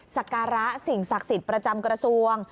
สการะสิ่งศักดิ์สิทธิ์ประจำกระทรวง